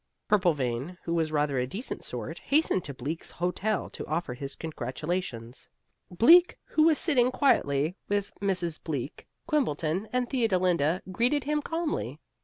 Purplevein, who was rather a decent sort, hastened to Bleak's hotel to offer his congratulations. Bleak, who was sitting quietly with Mrs. Bleak, Quimbleton and Theodolinda, greeted him calmly.